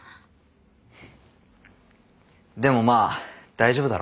フッでもまあ大丈夫だろ。